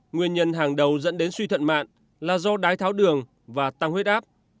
nguyên nhân hàng đầu dẫn đến suy thận mạng là do đái tháo đường và tăng huyết áp